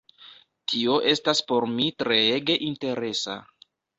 Tio estas por mi treege interesa.